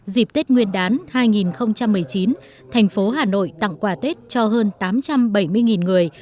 dịp tết nguyên đán hai nghìn một mươi chín thành phố hà nội tặng quà tết cho hơn tám trăm bảy mươi người